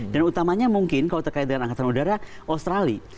dan utamanya mungkin kalau terkait dengan angkatan udara australia